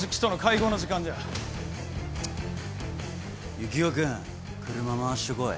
幸男君車回してこい。